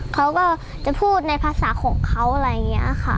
เขาก็จะพูดในภาษาของเขาอะไรอย่างนี้ค่ะ